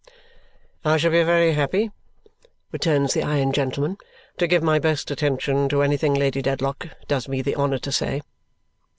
Hem!" "I shall be very happy," returns the iron gentleman, "to give my best attention to anything Lady Dedlock does me the honour to say."